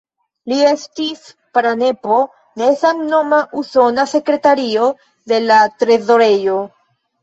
Li estis pranepo de samnoma Usona Sekretario de la Trezorejo.